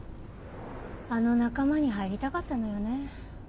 あの仲間に入りたかったのよね。